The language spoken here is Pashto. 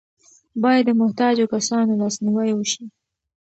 باید د محتاجو کسانو لاسنیوی وشي.